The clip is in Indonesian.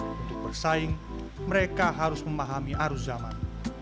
untuk bersaing mereka harus memahami arus zaman